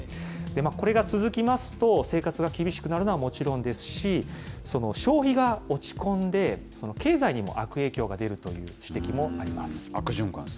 これが続きますと、生活が厳しくなるのはもちろんですし、消費が落ち込んで、経済にも悪影響が出るという指摘もあります。